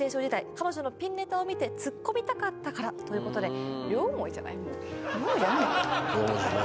時代彼女のピンネタを見てツッコミたかったからということで両思いじゃないのよ